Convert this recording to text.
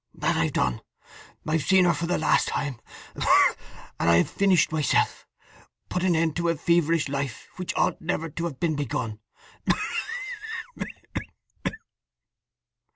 That I've done. I have seen her for the last time, and I've finished myself—put an end to a feverish life which ought never to have been begun!"